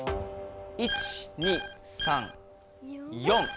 １２３４。